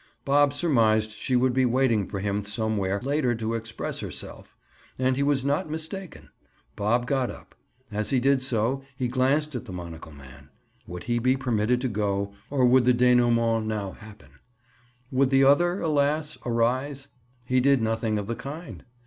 Bob surmised she would be waiting for him somewhere later to express herself, and he was not mistaken. Bob got up. As he did so, he glanced at the monocle man. Would he be permitted to go, or would the denouement now happen? Would the other, alas, arise? He did nothing of the kind.